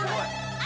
あ！